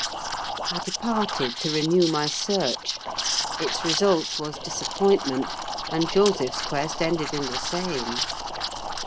I departed to renew my search; its result was disappointment, and Joseph's quest ended in the same.